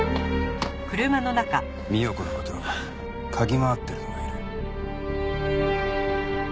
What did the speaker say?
三代子の事嗅ぎ回ってるのがいる。